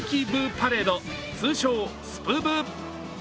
パレード、通称、スプブ。